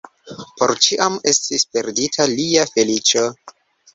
Por ĉiam estis perdita lia feliĉo.